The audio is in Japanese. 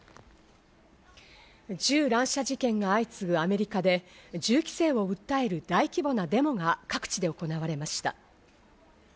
銃乱射事件が相次ぐアメリカで、銃規制を訴える大規模なデモが各地で行われました。